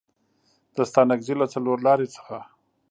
د ستانکزي له څلورلارې څخه